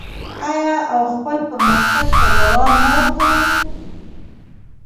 آیا او خپل پرمختګ ته دوام نه ورکوي؟